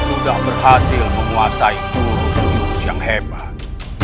sudah berhasil menguasai buruk buruk yang hebat